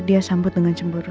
dia sambut dengan cemburu